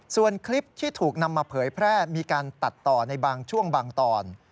ส่วนคลิปที่ถูกนำมาเผยแพร่มีการตัดต่อในบางช่วงบางตอน